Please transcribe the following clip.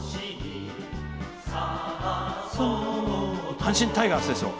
阪神タイガースですよ。